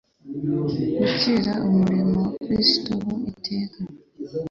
gucira umurimo wa Kristo ho iteka,